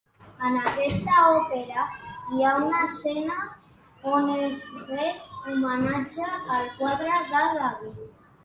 En aquesta òpera hi ha una escena on es ret homenatge al quadre de David.